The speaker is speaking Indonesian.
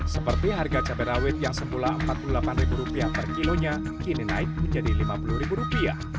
seperti harga cabai rawit yang semula rp empat puluh delapan per kilonya kini naik menjadi rp lima puluh